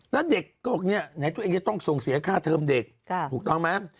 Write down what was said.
แล้วเด็กก็บอกเนี่ยไหนตัวเองจะต้องส่งเสียค่าเทอมเด็กถูกต้องไหม